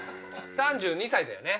３２歳だよね？